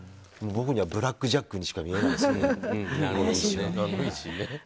僕にはブラック・ジャックにしか見えないですね。